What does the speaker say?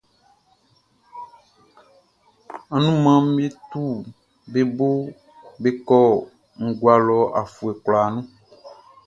Anunmanʼm be tu be bo be kɔ ngua lɔ afuɛ kwlaa nun.